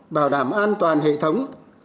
bảo đảm an toàn hệ thống